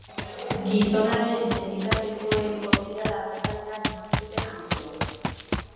Gizonaren senitartekoek ostiral arratsaldean eman zuten abisua.